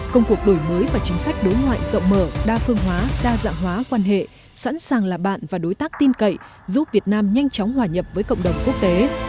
công cuộc đổi mới và chính sách đối ngoại rộng mở đa phương hóa đa dạng hóa quan hệ sẵn sàng là bạn và đối tác tin cậy giúp việt nam nhanh chóng hòa nhập với cộng đồng quốc tế